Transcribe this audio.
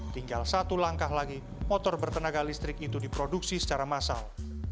tinggal satu langkah lagi motor bertenaga listrik itu diproduksi secara massal